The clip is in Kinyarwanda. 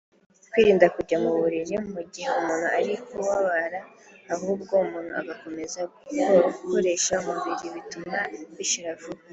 Kwirinda kujya mu buriri mu gihe umuntu ari kubabara ahubwo umuntu agakomeza gukoresha umubiri bituma bishira vuba